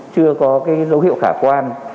chưa có dấu hiệu khả quan